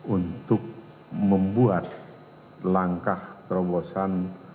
untuk membuat langkah terobosan